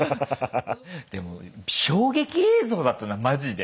でも衝撃映像だったなマジで。